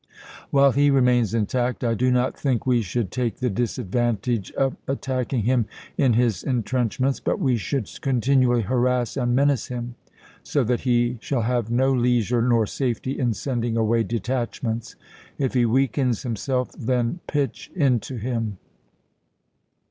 While he remains intact, I do not think we should take the disadvantage of attacking him in his intrench ments; but we should continually harass and menace him, so that he shall have no leisure nor safety in ^mo11' sending away detachments. If he weakens him raMsm* self, then pitch into him."